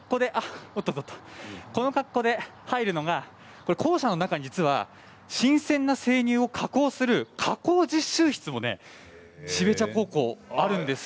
この格好で入るのは校舎の中に実は新鮮な生乳を加工する加工実習室標茶高校にはあるんです。